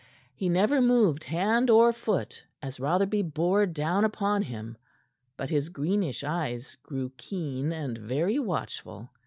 He never moved hand or foot as Rotherby bore down upon him, but his greenish eyes grew keen and very watchful.